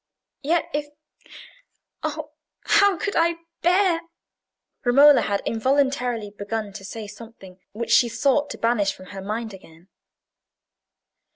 "Yet if—oh, how could I bear—" Romola had involuntarily begun to say something which she sought to banish from her mind again.